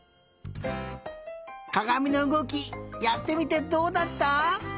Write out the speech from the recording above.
かがみのうごきやってみてどうだった？